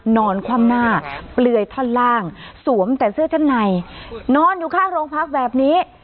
นอนคว่ำหน้าเปลือยท่อนล่างสวมแต่เสื้อชั้นในนอนอยู่ข้างโรงพักแบบนี้